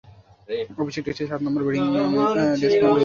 অভিষেক টেস্টে সাত নম্বরে ব্যাটিং করতে নামেন ডেসমন্ড লুইস।